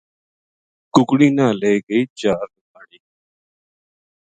ککڑی نا لے گئی چا لنگاڑی